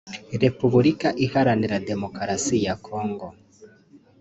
Repubulika Iharanira Demokarasi ya Congo